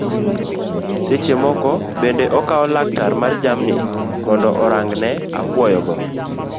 Seche moko bende okawo laktar mar jamni mondo orang'ne apuoyo go